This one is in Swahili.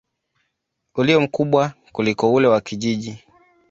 ulio mkubwa kuliko ule wa kijiji.